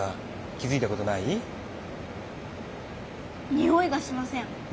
においがしません。